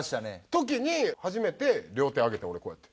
時に初めて両手上げた俺こうやって。